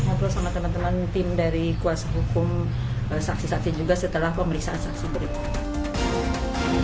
mungkin kita akan nanti ngobrol sama teman teman tim dari kuasa hukum saksi saksi juga setelah pemeriksaan saksi saksi